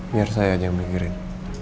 biar saya aja yang mikirin